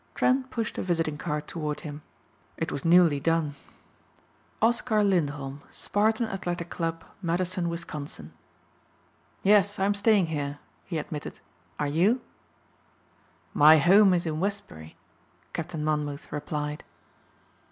Trent pushed a visiting card toward him. It was newly done. "Oscar Lindholm, Spartan Athletic Club, Madison, Wisconsin." "Yes, I'm staying here," he admitted. "Are you?" "My home is in Westbury," Captain Monmouth replied.